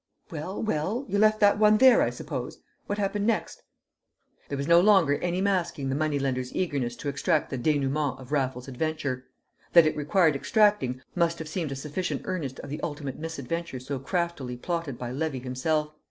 "Well? Well? You left that one there, I suppose? What happened next?" There was no longer any masking the moneylender's eagerness to extract the dénouement of Raffles's adventure; that it required extracting must have seemed a sufficient earnest of the ultimate misadventure so craftily plotted by Levy himself.